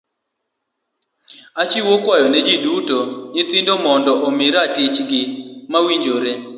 Achiwo kwayo ne ji duto, nyithindo mondo omi ratich gi mowinjore.